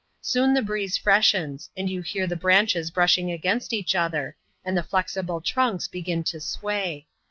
Soon the breeze freshens ; and you hear tiie branches brushing against each others and the flisxible trunks begin to sway.